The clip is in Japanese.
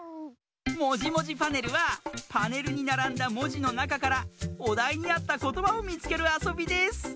「もじもじパネル」はパネルにならんだもじのなかからおだいにあったことばをみつけるあそびです。